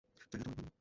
জায়গাটা অনেক ভালো।